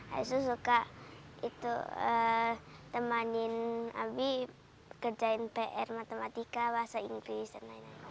habis itu suka temanin abie kerjain pr matematika bahasa inggris dan lain lain